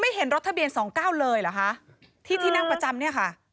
เห็นรถทะเบียน๒๙เลยเหรอคะที่ที่นั่งประจำเนี่ยค่ะ